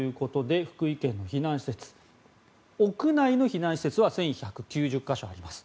福井県の避難施設屋内の避難施設は１１９０か所あります。